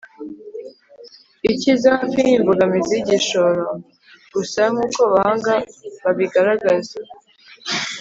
ikiza hafi ni imbogamizi y'igishoro. gusa nk'uko abahanga babigaragaza